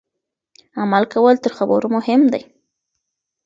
عمل کول تر خبرو مهم دي.